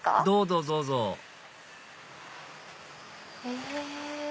どうぞどうぞへぇ。